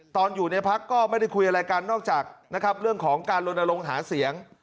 ตอนอยู่ในพักก็ไม่ได้คุยอะไรกันนอกจากนะครับเรื่องของการลนลงหาเสียง